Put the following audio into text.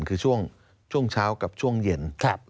คือช่วงเช้ากับช่วงเย็น